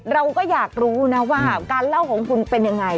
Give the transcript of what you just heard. เราก็อยากรู้นะว่าการเล่าของคุณเป็นยังไง